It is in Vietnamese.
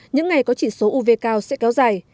những ngày có chỉ số uv cao sẽ kéo dài